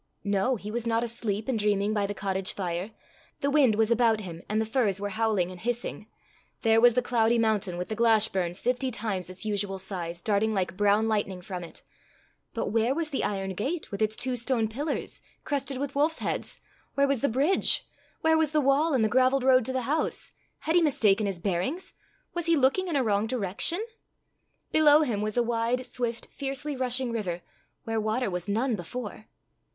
No; he was not asleep and dreaming by the cottage fire; the wind was about him, and the firs were howling and hissing; there was the cloudy mountain, with the Glashburn, fifty times its usual size, darting like brown lightning from it; but where was the iron gate with its two stone pillars, crested with wolf's heads? where was the bridge? where was the wall, and the gravelled road to the house? Had he mistaken his bearings? was he looking in a wrong direction? Below him was a wide, swift, fiercely rushing river, where water was none before!